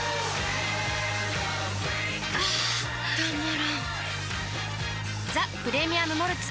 あたまらんっ「ザ・プレミアム・モルツ」